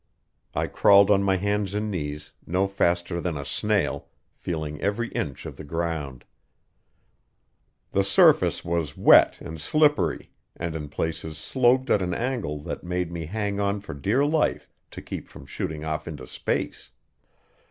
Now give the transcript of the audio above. I crawled on my hands and knees, no faster than a snail, feeling every inch of the ground. The surface was wet and slippery, and in places sloped at an angle that made me hang on for dear life to keep from shooting off into space.